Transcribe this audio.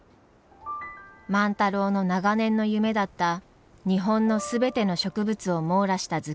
万太郎の長年の夢だった日本の全ての植物を網羅した図鑑。